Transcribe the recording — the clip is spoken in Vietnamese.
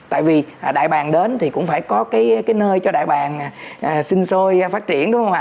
tại vì đại bàn đến thì cũng phải có cái nơi cho đại bàn sinh sôi phát triển đúng không ạ